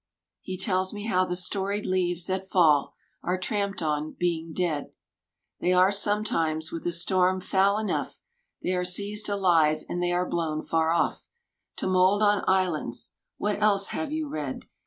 He tells me how the storied leaves that fall Are tramped on, being dead ? They are sometimes: with a storm foul enough They are seized alive and they are blown far off To mould on islands. — ^What else have you read